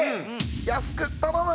安く頼む！